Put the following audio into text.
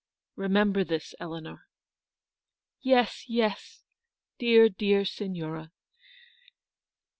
Remember this, Eleanor." " Yes, yes, dear, dear Signora."